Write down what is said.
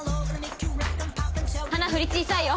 華振り小さいよ